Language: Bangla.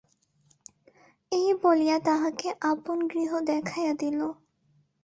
এই বলিয়া তাহাকে আপন গৃহ দেখাইয়া দিল।